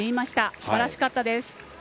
すばらしかったです。